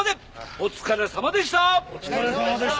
お疲れさまでした。